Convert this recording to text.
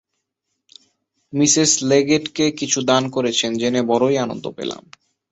Mrs লেগেটকে কিছু দান করেছেন জেনে বড়ই আনন্দ পেলাম।